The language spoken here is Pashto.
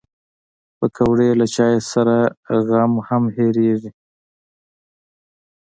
پکورې له چای سره غم هم هېرېږي